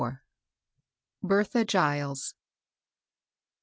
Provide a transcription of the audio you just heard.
BERTHA GILES.